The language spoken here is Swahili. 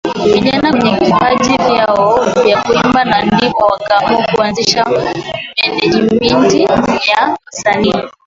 vijana kwenye vipaji vyao vya kuimba na ndipo wakaamua kuanzisha menejimenti ya wasanii